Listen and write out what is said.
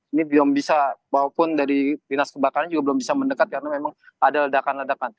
ini belum bisa walaupun dari dinas kebakaran juga belum bisa mendekat karena memang ada ledakan ledakan